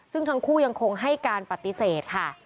ซึ่งทั้งคู่ยังคงให้การปฏิเสธค่ะ